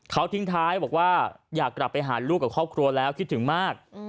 เขาทิ้งท้ายบอกว่าอยากกลับไปหาลูกกับครอบครัวแล้วคิดถึงมาก